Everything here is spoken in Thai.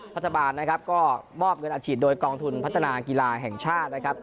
รัฐบาลนะครับก็มอบเงินอาชีพโดยกองทุนพัฒนากีฬาแห่งชาตินะครับ